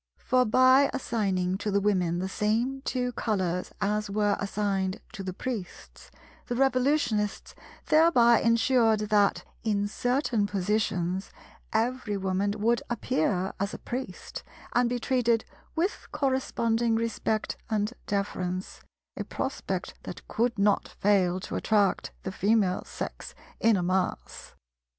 For by assigning to the Women the same two colours as were assigned to the Priests, the Revolutionists thereby ensured that, in certain positions, every Woman would appear as a Priest, and be treated with corresponding respect and deference—a prospect that could not fail to attract the Female Sex in a mass.